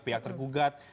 pihak yang tergugat